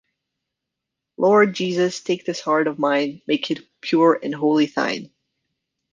Lord Jésus, take this heart of mine, make it pure and wholly Thine